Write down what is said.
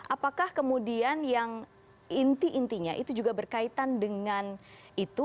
apakah kemudian yang inti intinya itu juga berkaitan dengan itu